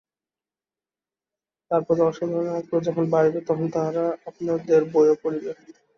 তারপর জনসাধারণের আগ্রহ যখন বাড়িবে, তখন তাহারা আপনাদের বইও পড়িবে।